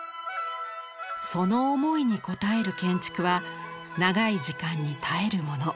その思いに応える建築は長い時間に耐えるもの